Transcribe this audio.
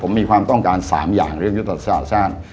ผมมีความต้องการ๓อย่างเรื่องยุทธศาสตร์สั้น